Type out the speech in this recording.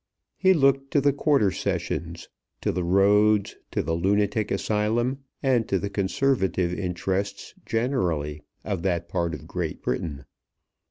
He looked to the Quarter Sessions, to the Roads, to the Lunatic Asylum, and to the Conservative Interests generally of that part of Great Britain.